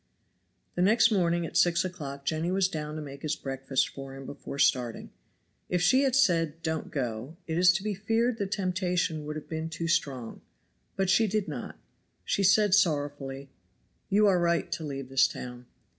The next morning at six o'clock Jenny was down to make his breakfast for him before starting. If she had said, "Don't go," it is to be feared the temptation would have been too strong, but she did not; she said sorrowfully, "You are right to leave this town."